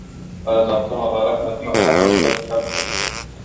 دا د ډاکټر مبارک علي د مقالو لومړی کتاب نه دی.